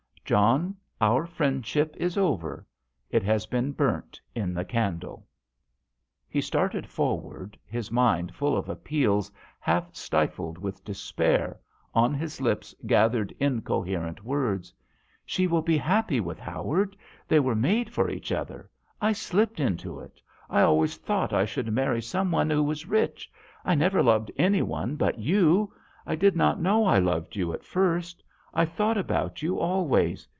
" John, our friendship is over it has been burnt in the candle.'* He started forward, his mind full of appeals half stifled with despair, on his lips gathered in coherent words :" She will be happy with Howard. They were made for each other. I slipped into it. I always thought I should marry some one who was rich. I never loved any one but you. I did not know I loved you at first. I thought about you always.